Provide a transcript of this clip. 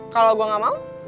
kalau gue gak mau